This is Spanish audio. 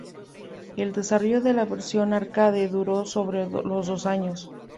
El desarrollo de la versión arcade duró sobre los dos años.